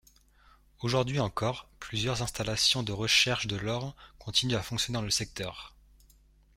Aujourd’hui encore, plusieurs installations de recherche de l’or continuent à fonctionner dans le secteur.